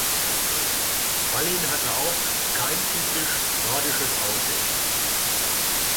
Wallin hatte auch kein typisch nordisches Aussehen.